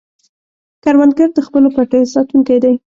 کروندګر د خپلو پټیو ساتونکی دی